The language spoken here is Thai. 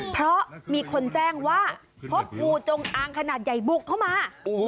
เพราะมีคนแจ้งว่าพบงูจงอางขนาดใหญ่บุกเข้ามา